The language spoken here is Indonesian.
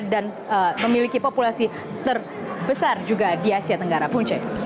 dan memiliki populasi terbesar juga di asia tenggara punca